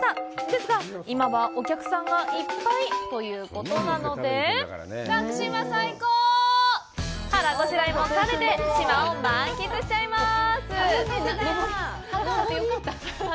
ですが、今はお客さんがいっぱいということなので腹ごしらえも兼ねて島を満喫しちゃいます！